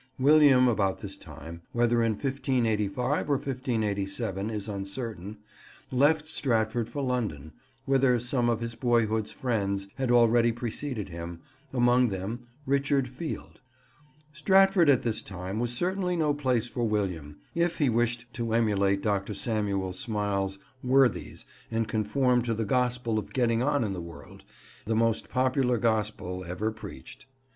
William about this time, whether in 1585 or 1587 is uncertain, left Stratford for London, whither some of his boyhood's friends had already preceded him, among them Richard Field. Stratford at this time was certainly no place for William, if he wished to emulate Dr. Samuel Smiles' worthies and conform to the gospel of getting on in the world, the most popular gospel ever preached.